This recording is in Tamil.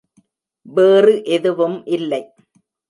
வேறு எதுவும் இல்லை.